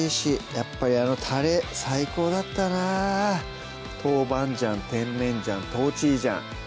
やっぱりあのたれ最高だったな豆板醤・甜麺醤・豆醤